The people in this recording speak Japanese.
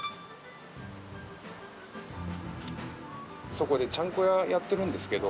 そこでちゃんこ屋やってるんですけど。